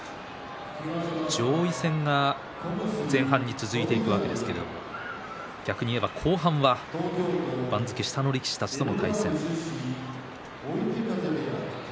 上位戦が前半戦で続いていくわけですけれども逆にいえば後半は番付下の力士たちとの対戦。